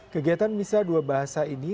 kegiatan misa dua bahasa ini